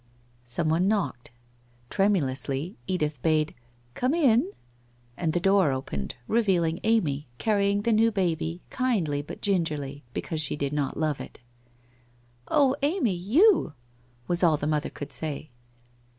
Someone knocked. Tremulously Edith bade ' Come in !* and the door opened, revealing Amy, carrying the new baby, kindly, but gingerly, because she did not love it. ' Oh Amy, you !' was all the mother could say.